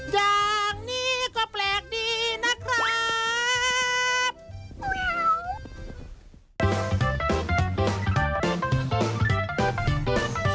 อย่างนี้ก็แปลกดีนะครับ